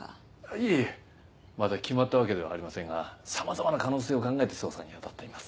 いえまだ決まったわけではありませんが様々な可能性を考えて捜査にあたっています。